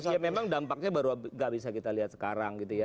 ya memang dampaknya baru nggak bisa kita lihat sekarang gitu ya